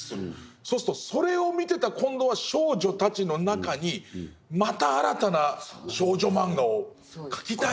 そうするとそれを見てた今度は少女たちの中にまた新たな少女漫画を描きたいという人たち。